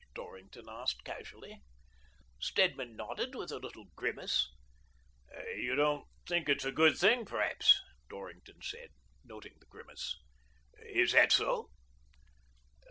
Dorrington asked casually. Stedman nodded, with a little grimace. "You don't think it's a good thing, perhaps," 160 THE DOBBINGTON DEED BOX Dorrington said, noticing the grimace. " Is that so?"